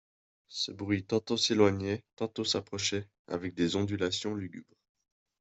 Ce bruit tantôt s'éloignait, tantôt s'approchait, avec des ondulations lugubres.